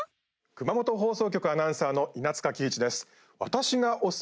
熊本放送局アナウンサーの稲塚貴一です。